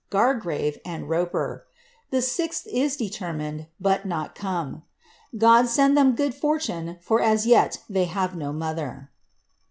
Gaigrave. and Koper; the sixth is ilelermined, but nol come. God send them good fortune, i"! as yet thev have no mother!"